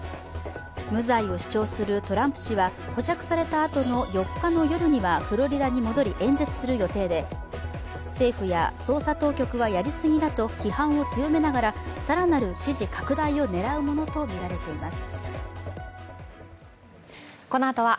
無罪を主張するトランプ氏は保釈されたあとの４日の夜にはフロリダに戻り演説する予定で、政府や捜査当局はやりすぎだと批判を強めながら更なる支持拡大を狙うものとみられています。